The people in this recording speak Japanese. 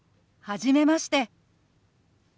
初めまして。